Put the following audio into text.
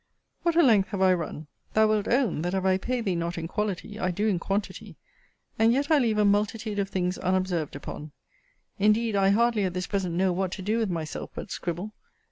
What a length have I run! Thou wilt own, that if I pay thee not in quality, I do in quantity: and yet I leave a multitude of things unobserved upon. Indeed I hardly at this present know what to do with myself but scribble.